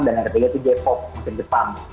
dan yang ketiga itu j pop musim jepang